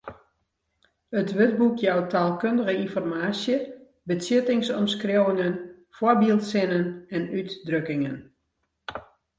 It wurdboek jout taalkundige ynformaasje, betsjuttingsomskriuwingen, foarbyldsinnen en útdrukkingen.